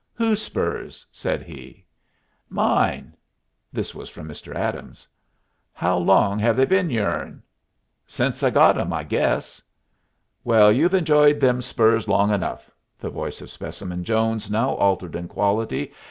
"Whose spurs?" said he. "Mine." This from Mr. Adams. "How long have they been yourn?" "Since I got 'em, I guess." "Well, you've enjoyed them spurs long enough." The voice of Specimen Jones now altered in quality.